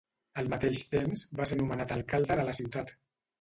Al mateix temps, va ser nomenat alcalde de la ciutat.